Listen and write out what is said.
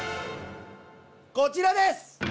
こちらです！